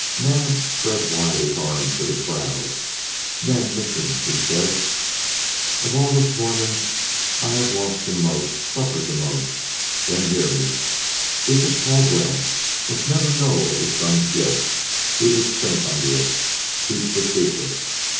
Naab spread wide his arms to the crowd. "Men, listen," he said. "Of all of us Mormons I have lost most, suffered most. Then hear me. Bishop Caldwell must never know of his son's guilt. He would sink under it. Keep the secret.